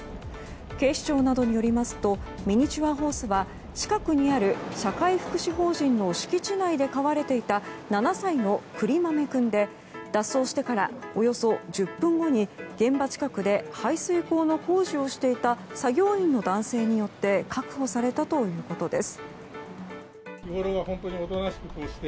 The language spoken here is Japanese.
警視庁などによりますとミニチュアホースは近くにある社会福祉法人の敷地内で飼われていた７歳のくりまめ君で脱走してから、およそ１０分後に現場近くで排水溝の工事をしていた作業員の男性によって確保されたということです。